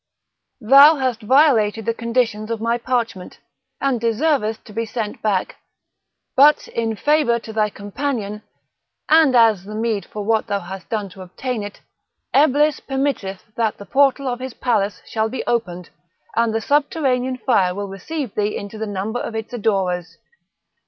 thou hast violated the conditions of my parchment, and deservest to be sent back; but, in favour to thy companion, and as the meed for what thou hast done to obtain it, EBLIS permitteth that the portal of his palace shall be opened, and the subterranean fire will receive thee into the number of its adorers."